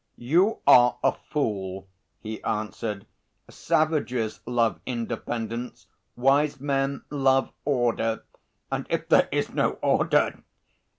"You are a fool," he answered. "Savages love independence, wise men love order; and if there is no order...."